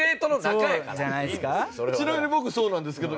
「ちなみに僕そうなんですけど」